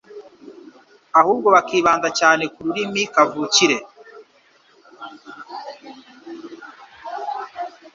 ahubwo bakibanda cyane ku ruririmi kavukire